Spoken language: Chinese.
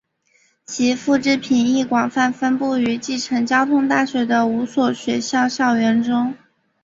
其复制品亦广泛分布于继承交通大学的五所学校校园中。